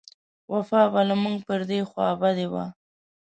وفا به له موږ پر دې خوابدۍ و.